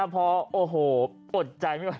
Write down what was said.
พอโอ้โหบอดใจมาก